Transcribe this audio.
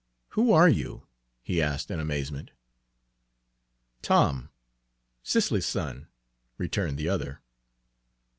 "Who are you?" he asked in amazement. "Tom, Cicely's son," returned the other.